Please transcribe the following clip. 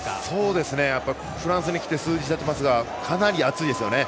フランスに来て数日たちますがかなり暑いですよね。